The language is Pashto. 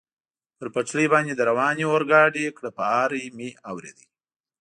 پر پټلۍ باندې د روانې اورګاډي کړپهار مې اورېده.